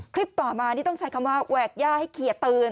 ต่อมานี่ต้องใช้คำว่าแหวกย่าให้เคลียร์ตื่น